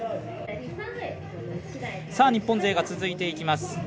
日本勢が続いていきます。